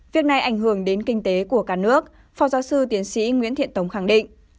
việc này ảnh hưởng đến kinh tế của cả nước phó giáo sư tiến sĩ nguyễn thiện tống khẳng định